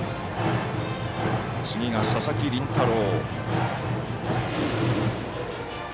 次が佐々木麟太郎。